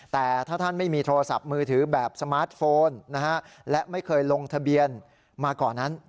แต่ถ้าท่านไม่มีโทรศัพท์มือถือแบบสมาร์ทโฟนและไม่เคยลงทะเบียนมาก่อนนั้น